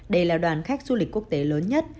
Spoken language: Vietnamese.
đây là đoàn khách du lịch quốc tế lớn nhất